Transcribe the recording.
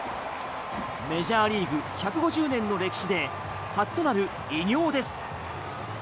メジャーリーグ１５０年の歴史で初となる偉業です。